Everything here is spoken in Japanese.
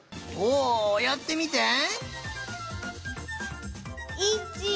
おやってみて。